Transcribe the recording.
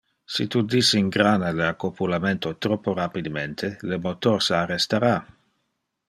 Si tu disingrana le accopulamento troppo rapidemente, le motor se arrestara.